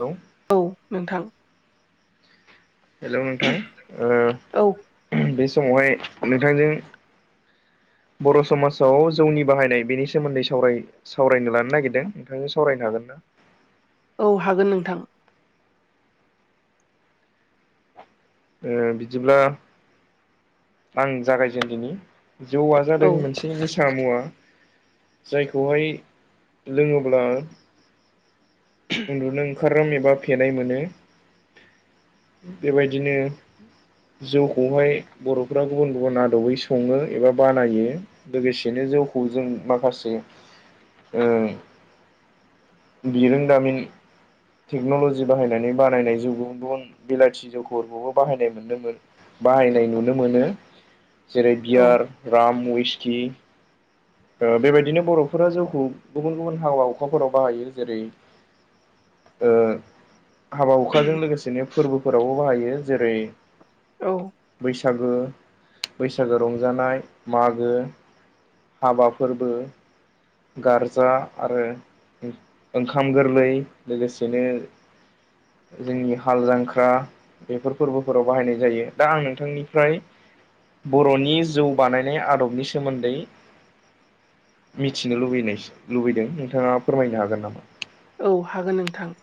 Hello. औ नोंथां। Hello नोंथां औ बे समावहाय नोंथांजों बर' समाजाव जौनि बाहायनाय बेनि सोमोन्दै सावराय सावरायनो लानो नागिरदों नोंथांजों सावरायनो हागोन ना? औ हागोन नोंथां। बिदिब्ला आं जागायजेनदोनि जौआ जादों औ मोनसे बे मोसा मुवा जायखौहाय लोङोब्ला उन्दुनो ओंखाराम एबा फेनाय मोनो बेबायदिनो जौखौहाय बर'फ्रा गुबुन गुबुन आदबै सङो एबा बानायो। लोगोसेनो जौखौ जों माखासे ओ [unintelligible] टेक्न'ल'जि बाहायनानै बानायनाय जौ गुबुन गुबुन बिलाथि जौखौफोरखौबो बाहायनाय मोन्दोंमोन बाहायनाय नुनो मोनो जेरै औ बियार, राम, वइस्कि, बेबायदिनो बर'फोरा जौखौ गुबुन गुबुन हाबा हुखाफोराव बाहायो जेरै, ओ। हाबा हुखाजों लोगोसेनो फोरबोफोरावबो बाहायो जेरै औ बैसागो बैसागो रंजानाय मागो हाबा फोरबो गारजा आरो ओंखाम गोरलै लोगोसेनो जोंनि हाल जांख्रा बेफोर फोरबोफोराव बाहायनाय जायो दा आं नोंथांनिफ्राय बर'नि जौ बानायनाय आदबनि सोमोन्दै मिथिनो लुबैदों नोंथाङा फोरमायनो हागोन नामा? औ हागोन नोंथां।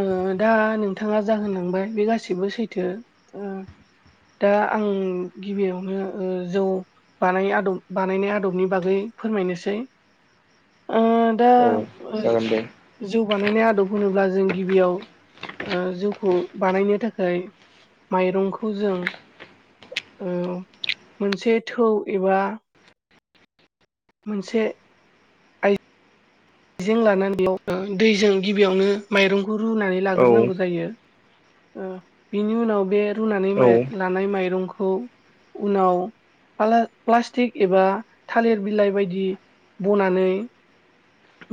ओ दा नोंथाङा जाहोनलांबाय बे गासिबो सैथो। दा आं गिबियावनो ओ जौ बानायनाय आदबनि बागै फोरमायनोसै ओ [inaudible] दा जागोन दे जौ बानायनाय आदब होनोब्ला जों गिबियाव जौखौ बानायनो थाखाय माइरंखौ जों ओ मोनसे थौ एबा मोनसे आइजें लानानै ऐयाव दैजों गिबियावनो माइरंखौ रुनानै औ लाग्रोनांगौ जायो। बिनि उनाव बे रुनानै औ लानाय माइरंखौ उनाव प्लास्टिक एबा थालिर बिलाइ बायदि ब'नानै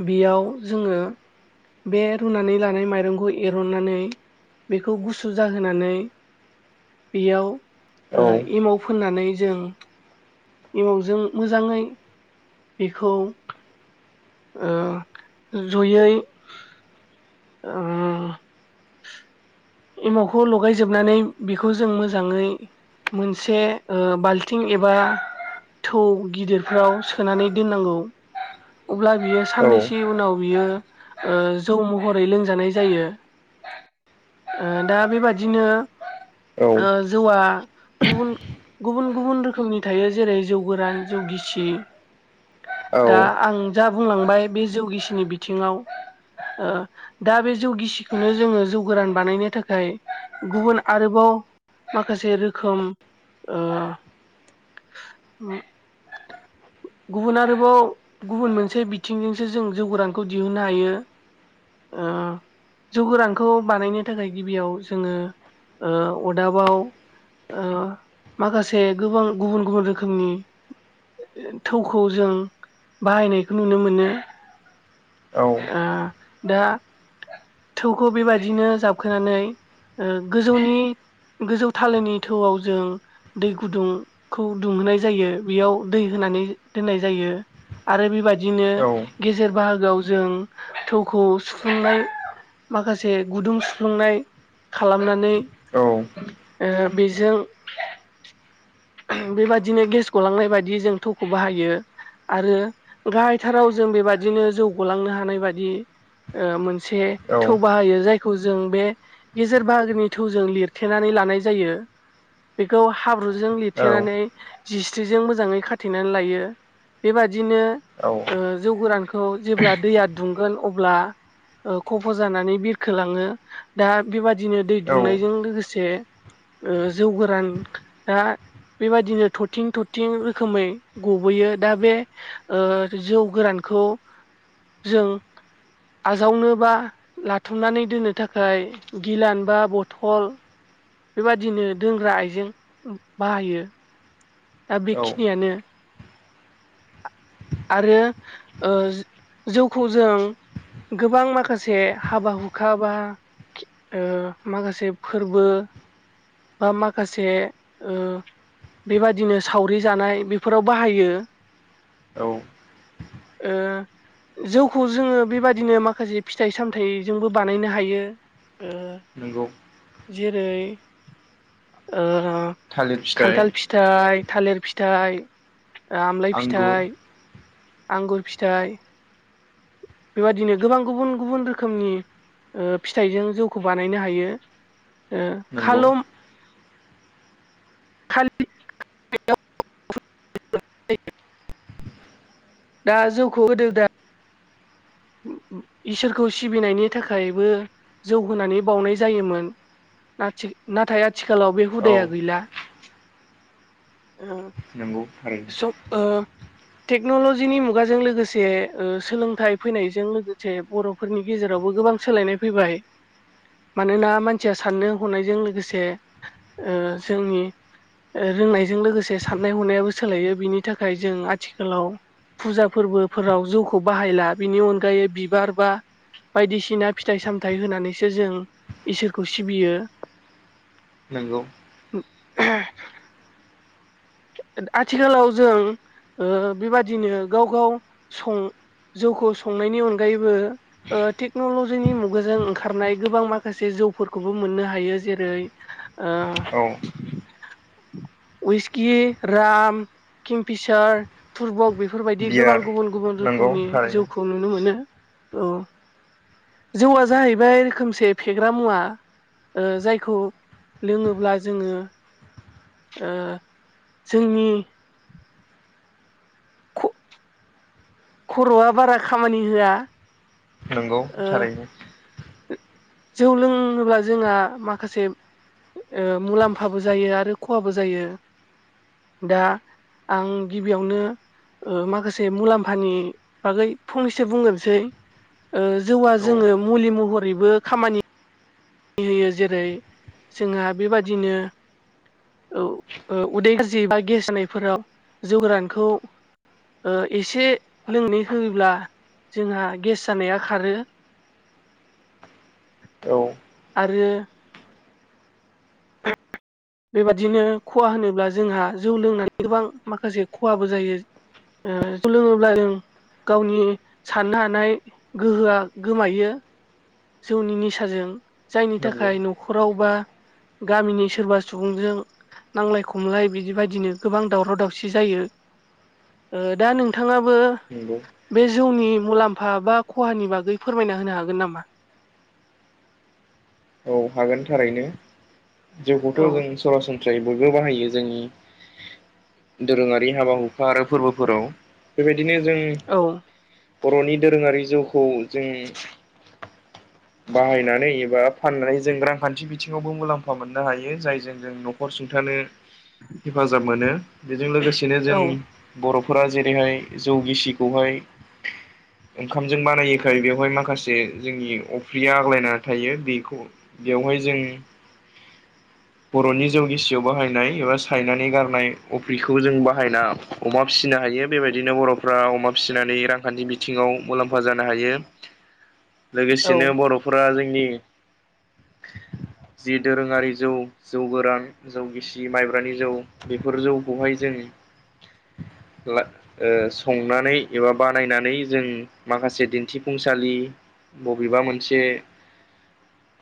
बेयाव जोङो बे रुनानै लानाय माइरंखौ एरननानै बेखौ गुसु जाहोनानै बेयाव ओ औ एमाव फोननानै जों एमावाजों मोजाङै बेखौ ज'यै ओ एमावखौ लगायजोबनानै बेखौ जों मोजाङै मोनसे बाल्थिं एबा थौ गिदिरफोराव सोनानै दोननांगौ। अब्ला बियो औ साननैसो उनाव बियो जौ महरै लोंजानाय जायो। दा बेबादिनो औ ओ जौआ गुबुन गुबुन गुबुन रोखोमनि थायो जेरै जौ गोरान जौ गिसि औ दा आं जा बुंलांबाय बे जौगिसिनि बिथिङाव ओ दा बे जौ गिसिखौनो जोङो जौ गोरान बानायनो थाखाय गुबुन आरोबाव माखासे रोखोम ओ गुबुन आरोबाव गुबुन मोनसे बिथिंजोंसो जों जौगोरानखौ दिहुननो नहायो। जौ गोरानखौ बानायनो थाखाय गिबियाव जोङो अदाबाव माखासे गोबां गुबुन गुबुन रोखोमनि थौखौ जों बाहायनायखौ नुनो मोनो। औ। ओ दा थौखौ बेबायदिनो जाबखोनानै ओ गोजौनि गोजौ थालोनि थौआव जों दै गुदुंखौ दुंहोनाय जायो। बेयाव दै होनानै दोननाय जायो। आरो बेबादिनो गेजेर बाहागोआव जों थौखौ सुफुंनाय माखासे गुदुं सुफ्लुंनाय खालामनानै औ ओ बेजों बेबायदिनो गेस गलांनाय बायदि जों थौखौ बाहायो। आरो गाहायथाराव जों बेबायदिनो जौगालांनो हानाय बादि मोनसे थौ बाहायो जायखौ [unintelligible] जजों बे गेजेर बाहागोनि थौजों लिरथेनानै लानाय जायो। बेखौ हाब्रुजों लिरथेनानै जिस्रिजों मोजाङै खाथेनानै लायो। बेबादिनो औ। ओ जौ गोरानखौ जेब्ला दैया दुंगोन अब्ला खफ' जानानै बिरखोलाङो। दा बेबादिनो दै दुंनायजों औ लोगोसे जौ गोराना बेबायदिनो थरथिं थरथिं रोखोमै गबोयो दा बे ओ जौ गोरानखौ जों आजावनोबा लाथुमनानै दोननो थाखाय गिलान बा बथल बेबादिनो दोंग्रा आइजें बाहायो। दा औ बेखिनियानो [inaudible] आरो ओ जौखौ जों गोबां माखासे हाबा हुखा बा खि ओ‌ माखासे फोरबो बा माखासे ओ‌ बेबाद दिनो सावरि जानाय बेफोराव बाहायो। औ ओ जौखौ जोंङो बेबादिनो माखासे फिथाइ सामथाइजोंबो बानायनो हायो। ओ नोंगौ। जेरै ओ थालिर फिथाइ खान्थाल फिथ थाइ, थालिर फिथाइ ओ आमलाय आंगुर फिथाइ आंगुर फिथाइ बेबादिनो गोबां गुबुन गुबुन रोखोमनि ओ फिथाइजों जौखौ बानायनो हायो। ओ‌ नंगौ खालम खालि [unintelligible] दा जौखौ होदो दा [unintelligible] इसोरखौ सिबिनायनि थाखायबो जौ होनानै बावनाय जायोमोन। नाथि नाथाय आथिखालाव बे औ हुदाया गैला। ओ नोंगौ। सब ओ टेक्नलजिनि मुगाजों लोगोसे ओ सोलोंथाइ फैनायजों लोगोसे बर' फोरनि गेजेरावबो गोबां सोलायनाय फैबाय। मानोना मानसिया साननो हनायजों लोगोसे ओ जोंनि ओ रोंनायजों लोगोसे साननाय हनायाबो सोलायो। बिनि थाखाय जों आथिखालाव फुजा फोरबोफोराव जौखौ बाहायला बिनि अनगायै बिबार बा बायदिसिना फिथाइ सामथाय होनानैसो जों इसोरखौ सिबियो। नोंगौ। [unintelligible] आथिखालाव जों ओ‌ बेबादिनो गाव-गाव सं जौखौ संनायनि अनगायैबो ओ टेक्नलजिनि मुगाजों ओंखारनाय गोबां माखासे जौफोरखौबो मोननो हायो जेरै ओ औ उइस गि राम किंफिसार पुर्बक बेफोरबायदि गोबां बियार गुबुन-गुबुन नंगौ रोखोमनि थारैनो जौखौ नुनो मोनो औ। जौआ जाहैबाय रोखोमसे फेग्रा मुवा। ओ जायखौ लोङोब्ला जोङो ओ जोंनि खर'आ बारा खामानि होआ। नंगौ ओ थारैनो। जौ लोंङोब्ला जोंहा माखासे ओ मुलाम्फाबो जायो आरो खहाबो जायो। दा आं गिबियावनो ओ माखासे मुलाम्फानि बागै फंनैसो बुंग्रोनोसै। ओ जौआ औ जोङो मुलि महरैबो खामानि होयो जेरै जोंहा बेबादिनो औ ओ उदै गाज्रि बा गेस जानायफोराव जौ गोरानखौ ओ एसे लोंनो होयोब्ला जोंहा गेस जानाया खारो। औ। आरो बेबादिनो खहा होनोब्ला जोंहा जौ लोंनानै गोबां माखासे खहाबो जायो ओ जोव लोंङोब्ला जों गावनि साननो हानाय गोहोआ गोमायो। जौनि निसाजों जायनि नंगौ थाखाय न'खराव बा गामिनि सोरबा सुबुंजों नांलाय खमलाय बिदि बायदिनो गोबां दावराव दावसि जायो। दा नोंथाङाबो नंगौ। बे जौनि मुलाम्फा बा खहानि बागै फोरमायना होनो हागोन नामा? औ हागोननि थारैनो जउखौथ' औ जों सरासनस्रै फ्राय बयबो बाहायो जोंनि दोरोङारि हाबा हुखा आरो फोरबोफोराव बेबायदिनो जों औ। बर'नि दोरोंङारि जौखौ जों बाहायनानै एबा फाननानै जों रांखान्थि बिथिङावबो मुलाम्फा मोननो हायो जायजों जों न'खर सुंथानो हेफाजाब मोनो बेजों लोगोसेनो जों औ बर'फोरा जेरैहाय जौ गिसिखौहाय ओंखामजों बानायोखाय बेवहाय माखासे जोंनि अफ्रि आग्लायना थायो बेखौ बेवहाय जों बर'नि जौ गिसियाव बाहायनाय एबा सायनानै गारनाय अफ्रिखौ जों बाहायना अमा फिसिनो हायो बेबायदिनो बर'फ्रा अमा फिसिनानै रांखान्थि बिथिङाव मुलाम्फा जानो हायो। औ लोगोसेनो बर'फोरा जोंनि जि दोरोङारि जौ जौ गोरान जौ गिसि, माइब्रानि जौ बेफोर जौखौहाय जों ला संनानै एबा बानायनानै जों माखासे दिन्थिफुंसालि बबेबा मोनसे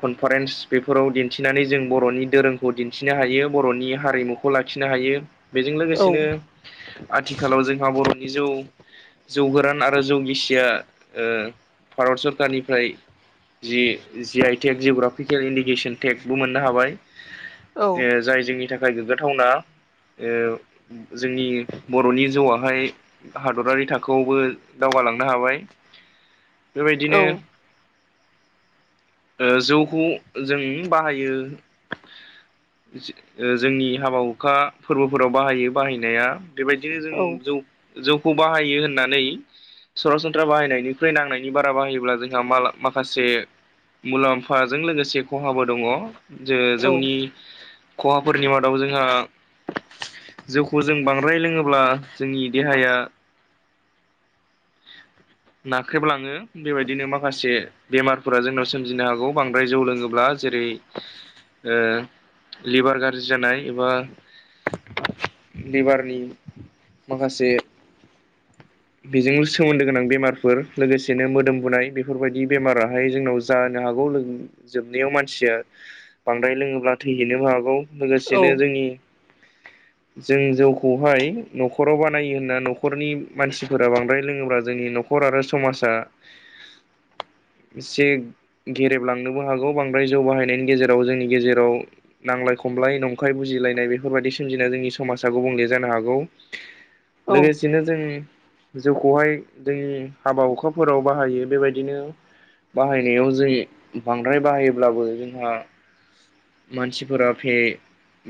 कनफारेन्स बेफोराव दिन्थिनानै जों बर'नि धोरोमखौ दिन्थिनो हायो बर'नि हारिमुखौ खौ लाखिनो हायो बेजों औ लोगोसेनो आथिखालाव जोंहा बर'नि जौ जौ गोरान आरो जौ गिसिया ओ भारत सरकारनि ओमफ्राय G G I tag geographical indication टेकबो मोननो हाबाय औ ए जाय जोंनि थाखाय गोग्गाथावना ओ जोंनि बर'नि जौवाहाय हादरारि थाखोआवबो दावगालांनो हाबाय बेबायदिनो ओ जौखौ जों बाहायो। जो ओ जोंनि हाबा हुखा फोरबोफोराव बाहायो बाहायनाया बेबायदिनो जों औ जौ जौखौ बाहायो होननानै सरासनस्रा बाहायनायनिख्रुइ नांनायनि बारा बाहायोब्ला जों माला माखासे मुलाम्फाजों लोगोसे खहाबो दङ। जे जौनि खहाफोरनि मादाव जोंहा जौखौ जों बांद्राय लोङोब्ला जोंनि देहाया नाख्रेबलाङो बेबायदिनो मा माखासे बेमारफोरा जोंनाव सोमजिनो हागौ बांद्राय जौ लोङोब्ला जेरै ओ लिभार गाज्रि जानाय एबा लिभारनि माखासे बेजोंनो सोमोन्दो गोनां बेमारफोर लोगोसेनो मोदोम बुनाय बेफोरबायदि बेमाराहाय जोंनाव जानो हागौ लोगो जोबनायाव मानसिया बांद्राय लोङोब्ला थैहैनोबो हागौ लोगोसेनो औ जोंनि जों जौखौहाय न'खराव बानायो होनना न'खरनि मानसिफोरा बांद्राय लोङोब्ला जोंनि न'खर आरो समाजा एसे गेरेबलांनोबो हागौ बांद्राय जौ बाहायनायनि गेजेराव जोंनि गेजेराव नांलाय खमलाय नंखाय बुजिलायनाय बेफोरबायदि सोमजिना जोंनि समाजा गुबुंले जानो हागौ औ लोगोसेनो जों जौखौहाय जोंनि हाबा हुखाफोराव बाहायो बेबायदिनो बाहायनायाव जों बांद्राय बाहायोब्लाबो जोंहा मानसिफोरा फे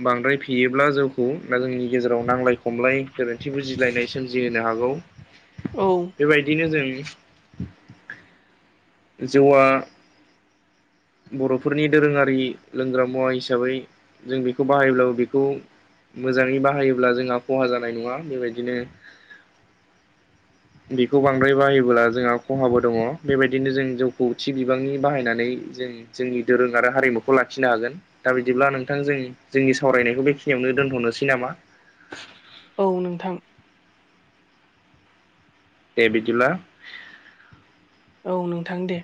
बांद्राय फेयोब्ला जोंखौ दा जोंनि गेजेराव नांलाय खमलाय गोरोन्थि बुजिलायनाय सोमजिहोनो हागौ औ बेबायदिनो जों जौआ बर'फोरनि दोरोङारि लोंग्रा मुवा हिसाबै जों बेखौ बाहायोब्लाबो बेखौ मोजाङै बाहायोब्ला जोंहा खहा जानाय नङा बेबायदिनो बेखौ बांद्राय बायोबोब्ला जोंहा खहाबो दङ बेबायदि बिदिनो जों जौखौ थि बिबांनि बाहायनानै जों जोंनि दोरों आरो हारिमुखौ लाखिनो हागोन दा बिदिब्ला नोंथां जों जोंनि सावरायनायखौ बेखिनियावनो दोनथ'नोसै नामा औ नोंथां दे बिदिला औ नोंथां दे